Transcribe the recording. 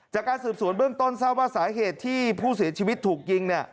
จากการสืบสวนเบื้องต้นทราบว่าสาเหตุที่ผู้เสียชีวิตถูกยิงเนี่ย